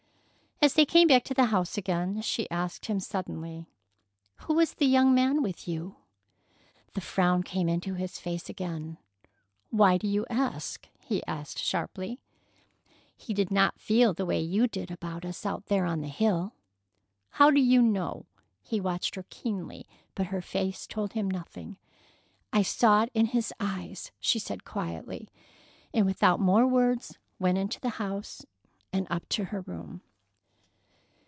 As they came back to the house again, she asked him suddenly: "Who was the young man with you?" The frown came into his face again. "Why do you ask?" he asked sharply. "He did not feel the way you did about us out there on the hill." "How do you know?" He watched her keenly, but her face told him nothing. "I saw it in his eyes," she said quietly, and without more words went into the house and up to her room.